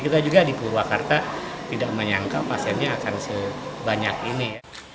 kita juga di purwakarta tidak menyangka pasiennya akan sebanyak ini